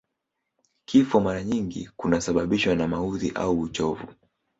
Kifo mara nyingi kunasababishwa na maudhi au uchovu